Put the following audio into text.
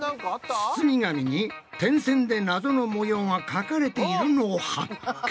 包み紙に点線でナゾの模様が描かれているのを発見！